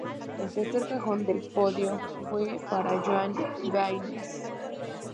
El tercer cajón del podio fue para Joan Vinyes.